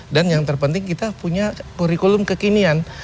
dan yang terpenting kita punya kurikulum kekinian